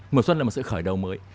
mùa xuân là một sự khởi đầu mới